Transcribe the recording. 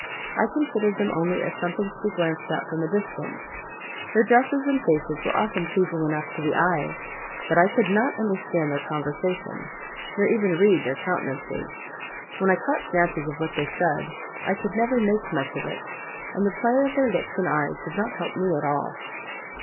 I considered them only as something to be glanced at from a distance; their dresses and faces were often pleasing enough to the eye: but I could not understand their conversation, nor even read their countenances. When I caught snatches of what they said, I could never make much of it; and the play of their lips and eyes did not help me at all."